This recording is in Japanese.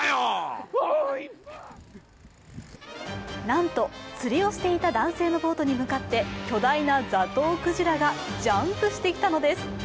なんと釣りをしていた男性のボートに向かって巨大なザトウクジラがジャンプしてきたのです。